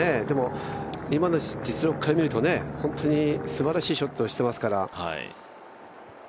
でも、今の実力から見ると本当にすばらしいショットをしていますから。